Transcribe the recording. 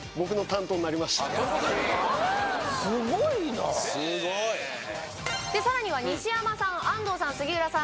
すごいなすごいでさらには西山さん安藤さん